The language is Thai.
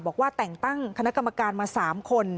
บอกว่าแต่งตั้งคณะกรรมการมา๓คน